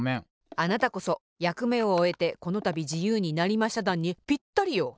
あなたこそ「やくめをおえてこのたびじゆうになりましただん」にぴったりよ。